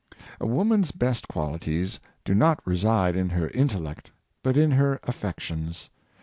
A woman's best qualities do not reside in her intellect but in her affections.